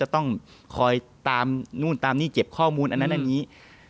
ต้องคอยตามนู่นตามนี่เก็บข้อมูลอันนั้นอันนี้